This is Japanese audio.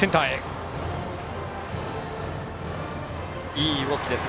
いい動きです。